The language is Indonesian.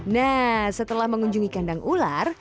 nah setelah mengunjungi kandang ular